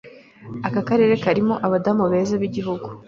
Aka karere karimo abadamu beza b'igihugu